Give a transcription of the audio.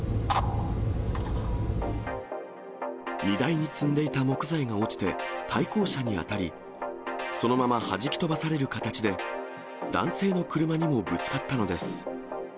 荷台に積んでいた木材が落ちて、対向車に当たり、そのままはじきとばされる形で、男性の車にもぶつかったのです。